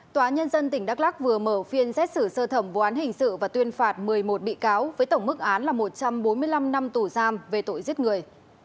tòa nhân dân tỉnh đắk lắc vừa mở phiên xét xử sơ thẩm vụ án hình sự và tuyên phạt một mươi một bị cáo với tổng mức án là một trăm bốn mươi năm năm tù giam về tội giết người